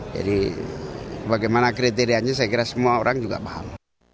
bagaimana kriterianya saya kira semua orang juga paham